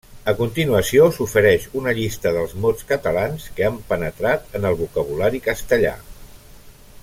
A continuació s'ofereix una llista dels mots catalans que han penetrat en el vocabulari castellà.